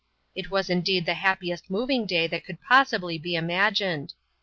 It was indeed the happiest moving day that could possibly be imagined.